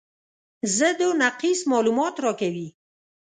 ضد او نقیض معلومات راکوي.